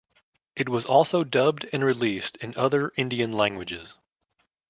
It was also dubbed and released in other Indian languages.